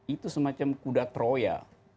itu semacam kuda troya